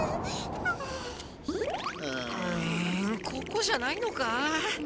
うんここじゃないのか？